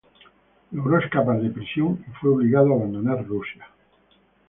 Logró escapar de prisión y fue obligado a abandonar Rusia.